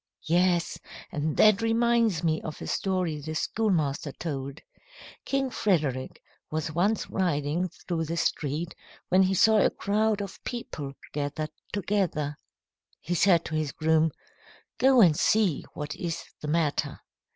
"Yes, and that reminds me of a story the schoolmaster told. King Frederick was once riding through the street when he saw a crowd of people gathered together. He said to his groom, 'Go and see what is the matter.'